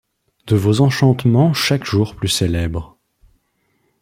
De vos enchantements chaque jour plus célèbres